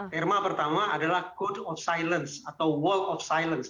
therma pertama adalah code of silence atau wall of silence